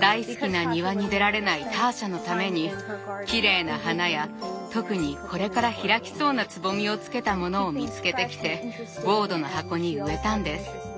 大好きな庭に出られないターシャのためにきれいな花や特にこれから開きそうな蕾をつけたものを見つけてきてウォードの箱に植えたんです。